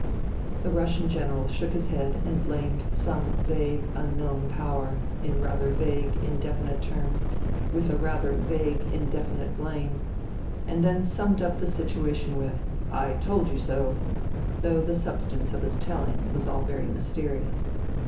The Russian General shook his head and blamed some vague, unknown power in rather vague, indefinite terms with a rather vague, indefinite blame, and then summed up the situation with " I told you so I " though the substance of his teUing was all very mysterious.